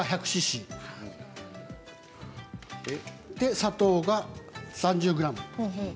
砂糖が３０ｇ。